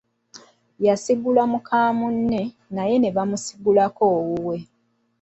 Yasigula muka munne, naye n’ebamusigulira owuwe.